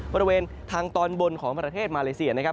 บริเวณทางตอนบนของประเทศมาเลเซียนะครับ